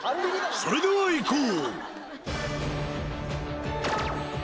それではいこう！